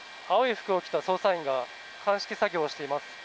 青い服を着た捜査員が鑑識作業をしています。